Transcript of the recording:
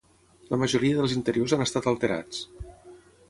La majoria dels interiors han estat alterats.